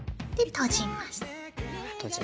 閉じます。